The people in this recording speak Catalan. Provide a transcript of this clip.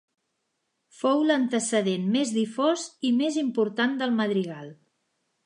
Fou l'antecedent més difós i més important del madrigal.